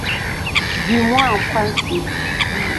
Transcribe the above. Du moins en principe.